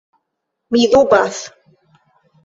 Mi dubas!